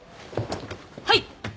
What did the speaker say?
はい！